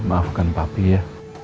maafkan papi ya